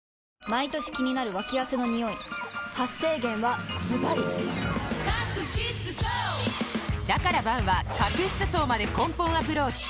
毎年気になるワキ汗のニオイ発生源はズバリだから「Ｂａｎ」は角質層まで根本アプローチ！